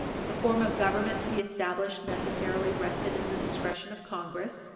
The form of government to be established Page 60 U. S. 449 necessarily rested in the discretion of Congress.